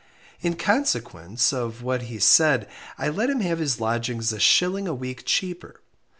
In consequence of what he said I let him have his lodgings a shilling a week cheaper.